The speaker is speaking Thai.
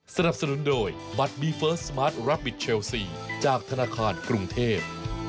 สนับสนุนโดยบัตรบีเฟิร์สสมาร์ทรับบิทเชลซีจากธนาคารกรุงเทพ